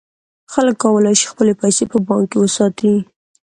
خلک کولای شي خپلې پیسې په بانک کې وساتي.